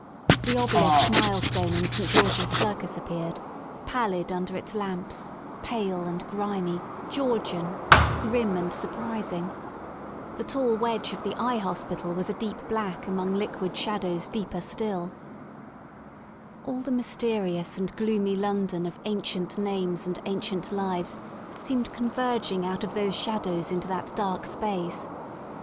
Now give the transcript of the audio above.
The Obelisk milestone in St. George's Circus appeared, pallid under its lamps, pale and grimy, Georgian, grim and surprising; the tall wedge of the Eye Hos pital was a deep black among liquid shadows deeper stilL All the mysterious and gloomy London of ancient names and ancient lives seemed converging out of those shadows into that dark space.